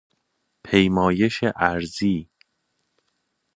پیمایش اراضی